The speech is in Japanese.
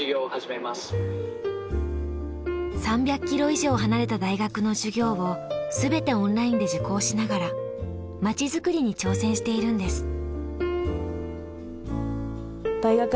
３００キロ以上離れた大学の授業を全てオンラインで受講しながらまちづくりに挑戦しているんです。